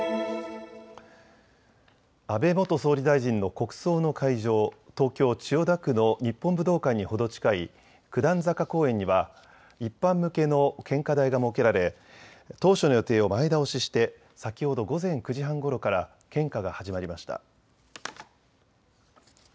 安倍元総理大臣の国葬の会場、東京千代田区の日本武道館に程近い九段坂公園には一般向けの献花台が設けられ当初の予定を前倒しして先ほど午前９時半ごろから献花が始まりました。